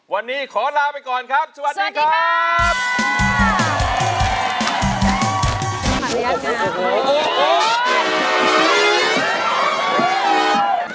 วันนี้ขอลาไปก่อนครับสวัสดีครับ